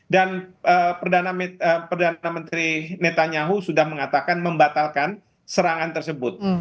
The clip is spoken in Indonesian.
dan perdana menteri netanyahu sudah mengatakan membatalkan serangan tersebut